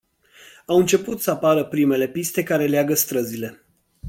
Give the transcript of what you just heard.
Au început să apară primele piste care leagă străzile.